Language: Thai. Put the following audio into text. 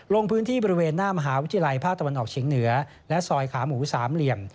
ลงพื้นที่บริเวณหน้ามหาวิทยาลัยภาคตะวันออกเฉียงเหนือและซอยขาหมูสามเหลี่ยม